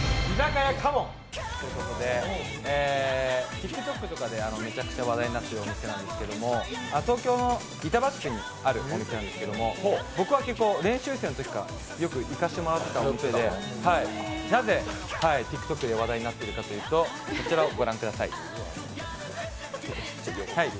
ＴｉｋＴｏｋとかでめちゃくちゃ話題になっているお店なんですけど東京の板橋区にあるお店なんですけれども、僕は結構、練習生のときから行かせてもらっていたお店でなぜＴｉｋＴｏｋで話題になっているかというとこちらをご覧ください。